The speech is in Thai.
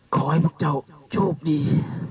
ขอให้พวกเจ้าโชคดี